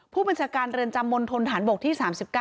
ผู้บัญชาการเรือนจำมณฑนฐานบกที่๓๙